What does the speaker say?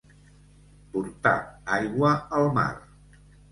Portar aigua al mar.